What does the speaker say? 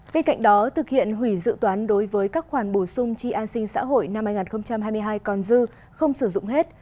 bên cạnh đó thực hiện hủy dự toán đối với các khoản bổ sung chi an sinh xã hội năm hai nghìn hai mươi hai còn dư không sử dụng hết